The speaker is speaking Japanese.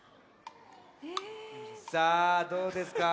さあどうですか？